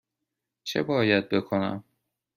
چه باید بکنم؟